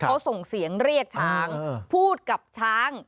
เขาส่งเสียงเรียกช้างพูดกับช้าง